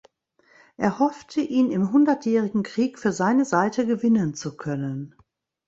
Er hoffte, ihn im Hundertjährigen Krieg für seine Seite gewinnen zu können.